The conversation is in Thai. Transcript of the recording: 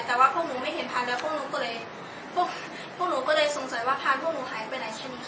แต่ว่าพวกหนูไม่เห็นพาร์นแล้วพวกหนูก็เลยสงสัยว่าพาร์นพวกหนูหายไปไหนแค่นี้ค่ะ